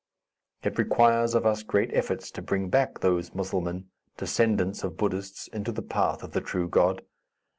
It requires of us great efforts to bring back those Musselmen, descendants of Buddhists, into the path of the true God.